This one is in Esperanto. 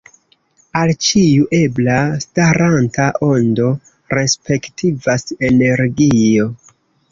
Al ĉiu ebla staranta ondo respektivas energio.